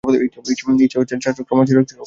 ইনি হচ্ছেন সার্থকনামা শ্রীরসিক চক্রবর্তী।